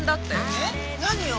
えっ何よ？